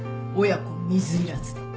親子水入らずで。